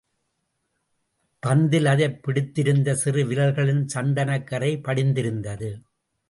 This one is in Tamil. பந்தில் அதைப் பிடித்திருந்த சிறு விரல்களின் சந்தனக் கறை படிந்திருந்தது.